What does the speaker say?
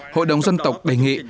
hội đồng dân tộc đề nghị